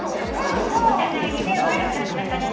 お互いに若かったからね。